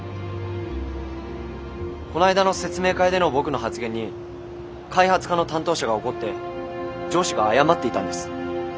この間の説明会での僕の発言に開発課の担当者が怒って上司が謝っていたんです。